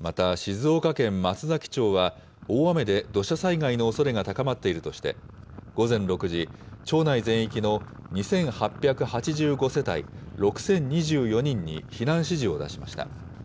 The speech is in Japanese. また、静岡県松崎町は、大雨で土砂災害のおそれが高まっているとして、午前６時、町内全域の２８８５世帯６０２４人に避難指示を出しました。